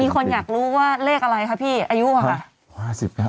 คนอยากรู้ว่าเลขอะไรคะพี่อายุค่ะ